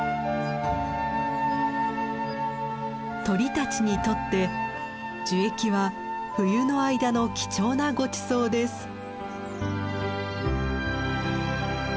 鳥たちにとって樹液は冬の間の貴重なごちそうです。